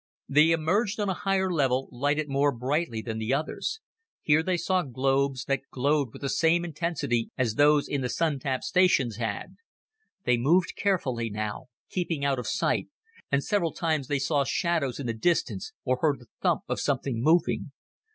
They emerged on a higher level, lighted more brightly than the others. Here they saw globes that glowed with the same intensity as those in the Sun tap stations had. They moved carefully now, keeping out of sight, and several times they saw shadows in the distance or heard the thump of something moving.